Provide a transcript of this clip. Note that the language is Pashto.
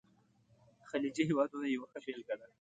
خلیجي هیوادونه یې یوه ښه بېلګه ده.